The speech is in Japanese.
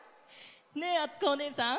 ねえあつこおねえさん。